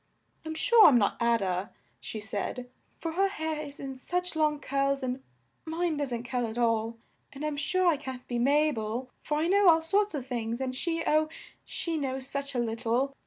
"I'm sure I'm not A da," she said, "for her hair is in such long curls and mine doesn't curl at all; and I'm sure I can't be Ma bel, for I know all sorts of things, and she, oh! she knows such a lit tle!